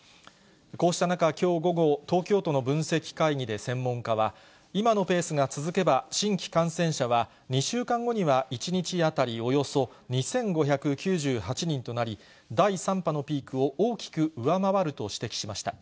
こうした中、きょう午後、東京都の分析会議で専門家は、今のペースが続けば、新規感染者は２週間後には１日当たりおよそ２５９８人となり、第３波のピークを大きく上回ると指摘しました。